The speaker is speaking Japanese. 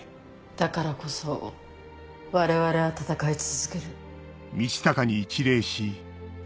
だからこそ我々は戦い続ける。